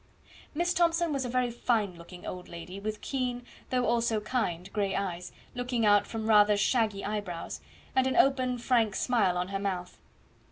Miss Thomson was a very fine looking old lady, with keen, though also kind grey eyes, looking out from rather shaggy eyebrows, and an open frank smile on her mouth.